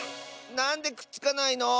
なんでくっつかないの？